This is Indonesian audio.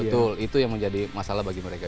betul itu yang menjadi masalah bagi mereka